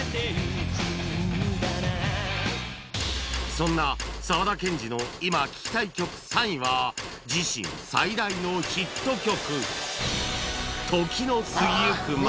そんな沢田研二の今聴きたい曲３位は自身最大のヒット曲